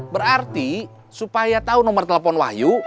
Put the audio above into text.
berarti supaya tahu nomor telepon wahyu